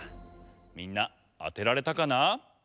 みんなあてられたかな？